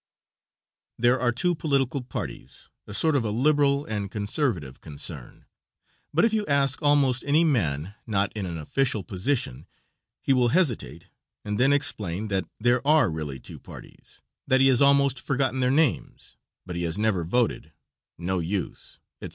There are two political parties, a sort of a Liberal and Conservative concern, but if you ask almost any man not in an official position he will hesitate and then explain that there are really two parties; that he has almost forgotten their names, but he has never voted, no use, etc.